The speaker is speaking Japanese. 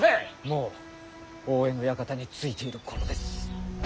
もう大江の館に着いている頃です。